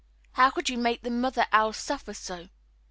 How could you make the mother owl suffer so?